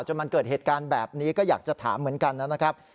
จนมันเกิดเหตุการณ์แบบนี้ก็อยากจะถามเหมือนกันนะครับ